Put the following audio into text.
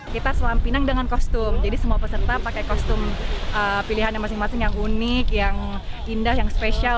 kita selam pinang dengan kostum jadi semua peserta pakai kostum pilihannya masing masing yang unik yang indah yang spesial